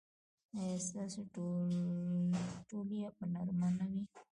ایا ستاسو تولیه به نرمه نه وي؟